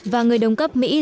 và người đồng cấp của hàn quốc